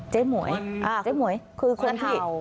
หมวยเจ๊หมวยคือคนที่